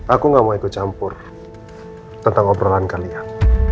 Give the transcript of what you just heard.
aku gak mau ikut campur tentang obrolan kalian